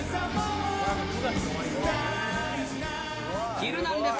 ヒルナンデス！